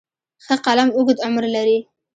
ښه قلم اوږد عمر لري.